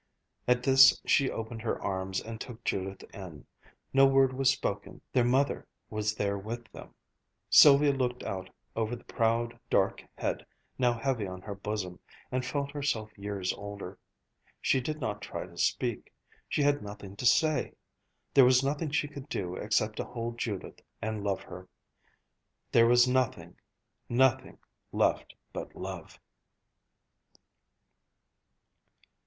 At this she opened her arms and took Judith in. No word was spoken. Their mother was there with them. Sylvia looked out over the proud, dark head, now heavy on her bosom, and felt herself years older. She did not try to speak. She had nothing to say. There was nothing she could do, except to hold Judith and love her. There was nothing, nothing left but love.